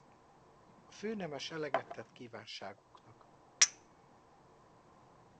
A főnemes eleget tett kívánságuknak.